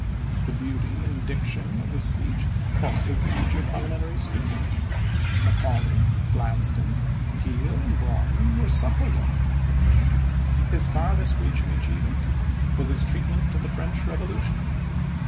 The beauty and diction of his speech fostered future parliamentary speaking. Macaulay, Gladstone, Peel, and Brougham were suckled on him. His farthest reaching achievement was his treatment of the French Revolution.